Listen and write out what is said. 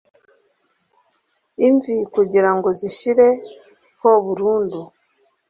imvi kugirango zishire ho burundu